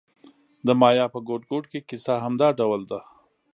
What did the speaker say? د مایا په ګوټ ګوټ کې کیسه همدا ډول ده